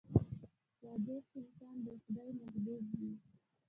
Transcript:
• صادق انسان د خدای محبوب وي.